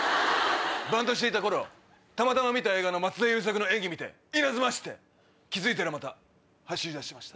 バンドしていた頃たまたま見た映画の松田優作の演技見て稲妻走って気付いたらまた走りだしてました。